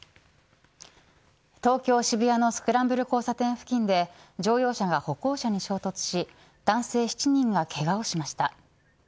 東京・渋谷のスクランブル交差点付近で乗用車が歩行者に衝突し男性７人が、けがをしました。